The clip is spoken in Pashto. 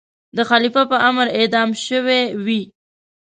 د خلیفه په امر اعدام شوی وي.